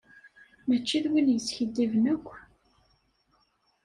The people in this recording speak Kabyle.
Mačči d win yeskiddiben akk.